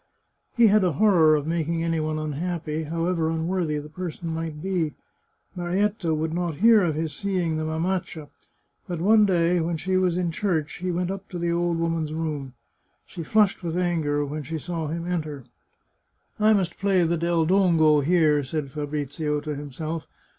He had a horror of making any one unhappy, however unworthy the person might be. Marietta would not hear 227 The Chartreuse of Parma of his seeing the mamaccia, but one day, when she was in church, he went up to the old woman's room. She flushed with anger when she saw him enter. " I must play the Del Dongo here," said Fabrizio to himself.